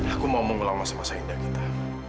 aku mau mengulang masa masa indah kita